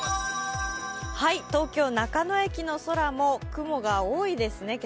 東京・中野駅の空も今朝も雲が多いですね。